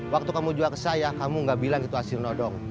waktu kamu jual ke saya kamu gak bilang itu hasil nodong